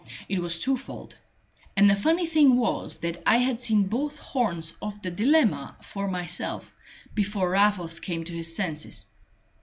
It was twofold; and the funny thing was that I had seen both horns of the dilemma for myself, before Raffles came to his senses.